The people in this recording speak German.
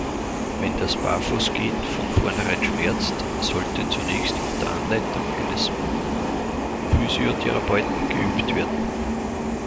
Wenn das Barfußgehen von vornherein schmerzt, sollte zunächst unter Anleitung eines Physiotherapeuten geübt werden.